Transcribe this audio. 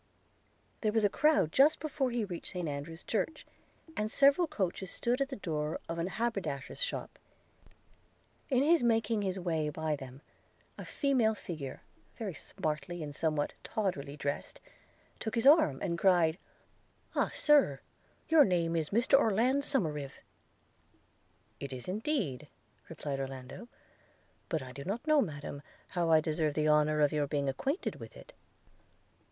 There was a crowd just before he reached St Andrew's church, and several coaches stood at the door of an haberdasher's shop. In his making his way by them, a female figure, very smartly and somewhat tawdrily drest, took his arm and cried – 'Ah, Sir! Your name is Mr Orland Somerive!' 'It is, indeed,' replied Orlando; 'but I do not know, Madam, how I deserve the honour of your being acquainted with it.'